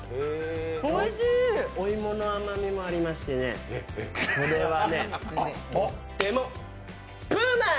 お芋の甘みもありましてね、これはとってもうーまい！